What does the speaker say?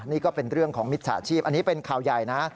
นี่ก็เป็นเรื่องของมิจฉาชีพอันนี้เป็นข่าวใหญ่นะ